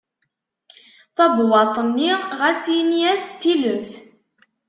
Tabewwaṭ-nni ɣas in-as d tilemt.